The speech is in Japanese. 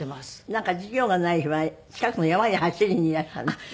なんか授業がない日は近くの山に走りにいらっしゃるんですって？